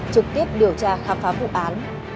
trực tiếp điều tra khám phá vụ án